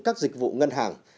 các dịch vụ ngân hàng